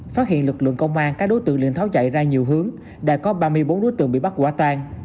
phát hiện lực lượng công an các đối tượng liền tháo chạy ra nhiều hướng đã có ba mươi bốn đối tượng bị bắt quả tang